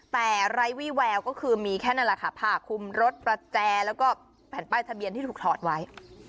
แต่ไร้วี่แววก็คือมีแค่นั่นแหละค่ะผ้าคุมรถประแจแล้วก็แผ่นป้ายทะเบียนที่ถูกถอดไว้